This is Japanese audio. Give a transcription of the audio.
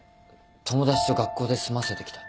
友達と学校で済ませてきた。